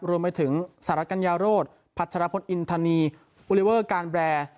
รวมไปถึงสารกัญญาโรธพัชรพลอินทานีบูเลเวอร์การแบรน